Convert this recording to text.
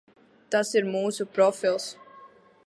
Tas ir mūsu profils.